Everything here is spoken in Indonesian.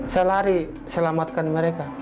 saya lari selamatkan mereka